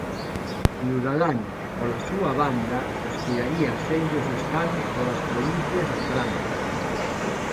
Ciudadanos, pola súa banda, aspiraría a senllos escanos polas provincias atlánticas.